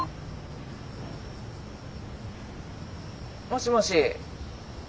もしもし。